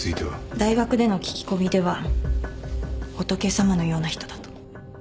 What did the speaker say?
大学での聞き込みでは仏様のような人だと。